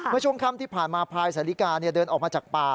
ในช่วงคลิปที่ผ่านมาพลายสาธิกาเดินออกมาจากป่า